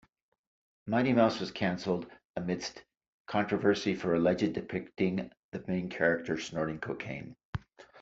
"Mighty Mouse" was cancelled amidst controversy for allegedly depicting the main character snorting cocaine.